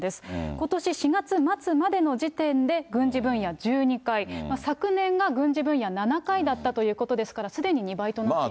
ことし４月末までの時点で、軍事分野１２回、昨年が軍事分野７回だったということですから、すでに２倍となっています。